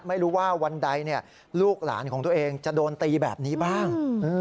ไม่รู้ว่าวันใดลูกหลานของตัวเองจะโดนตีแบบนี้บ้าง